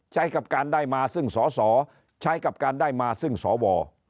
ใช้กับการได้มาซึ่งสอสอใช้กับการได้มาซึ่งสว